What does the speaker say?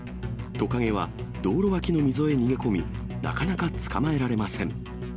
トカゲは道路脇の溝へ逃げ込み、なかなか捕まえられません。